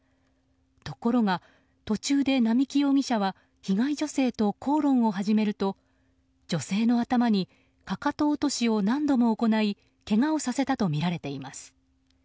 ところが、途中で並木容疑者は被害女性と口論を始めると女性の頭に、かかと落としを何度も行いけがをさせたとみられています。